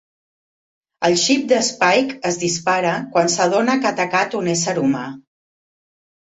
El xip de Spike es dispara quan s'adona que ha atacat un ésser humà.